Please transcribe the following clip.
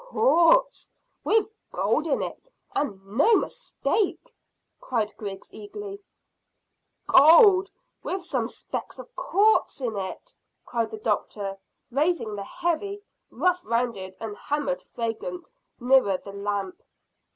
"Quartz with gold in it, and no mistake," cried Griggs eagerly. "Gold, with some specks of quartz in it," cried the doctor, raising the heavy roughly rounded and hammered fragment nearer the lamp.